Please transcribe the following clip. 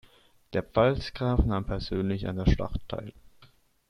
Der Pfalzgraf nahm persönlich an der Schlacht teil.